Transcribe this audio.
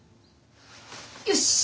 よし。